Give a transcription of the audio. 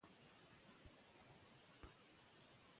خاوند حق لري د کور دننه کارونه د ښځې سره سم کړي.